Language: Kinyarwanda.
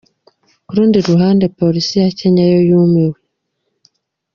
Ku rundi ruhande polisi ya Kenya yo yumiwe.